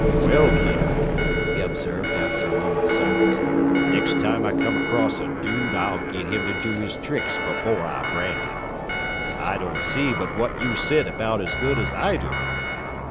"Well, kid," he observed after a moment's silence, "next time I come across a dude I'll git him to do his tricks before I brand him. I don't see but what you sit about as good as I do."